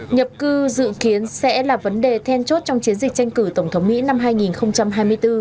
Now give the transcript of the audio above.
nhập cư dự kiến sẽ là vấn đề then chốt trong chiến dịch tranh cử tổng thống mỹ năm hai nghìn hai mươi bốn